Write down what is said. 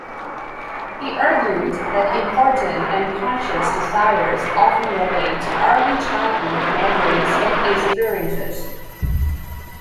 He argued that important unconscious desires often relate to early childhood memories and experiences.